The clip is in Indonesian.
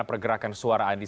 apa yang tadi